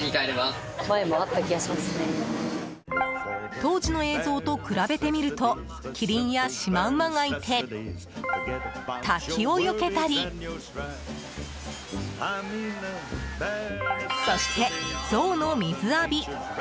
当時の映像と比べてみるとキリンやシマウマがいて滝をよけたりそしてゾウの水浴び！